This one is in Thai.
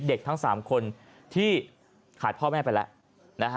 เด็กทั้ง๓คนที่ขาดพ่อแม่ไปแล้ว